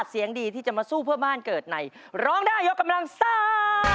เสียงดีที่จะมาสู้เพื่อบ้านเกิดในร้องได้ยกกำลังซ่า